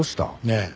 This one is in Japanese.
ええ。